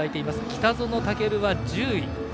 北園丈琉は１０位。